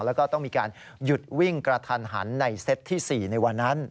แล้วก็ต้องมีการหยุดวิ่งกระทันหันในเซตที่๔ในวันนั้น